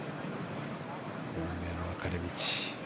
運命の分かれ道。